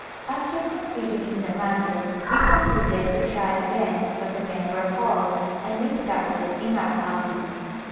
After considering the matter we concluded to try again so the men were called and we started in our palkis.